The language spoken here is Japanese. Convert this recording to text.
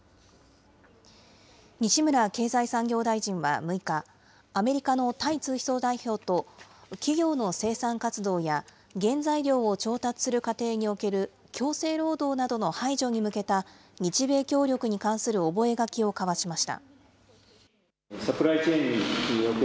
西村経済産業大臣は６日、アメリカのタイ通商代表と企業の生産活動や原材料を調達する過程における強制労働などの排除に向けた日米協力に関する覚書を交わしました。